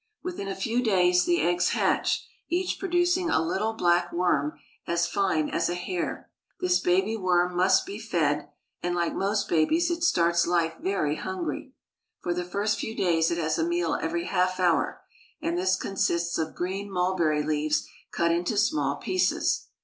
Within a few days the eggs hatch, each producing a little black worm as fine as a hair. This baby worm must be fed ; and, Hke most babies, it starts life very hungry. For the first few days it has a meal every half hour, and this consists of green mulberry leaves cut into small pieces.